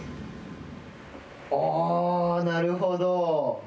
ああ、なるほど。